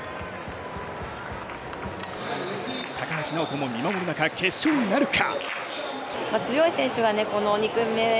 高橋尚子も見守る中、決勝なるか。